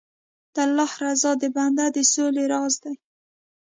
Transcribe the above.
د الله رضا د بنده د سولې راز دی.